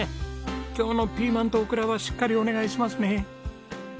今日のピーマンとオクラはしっかりお願いしますね。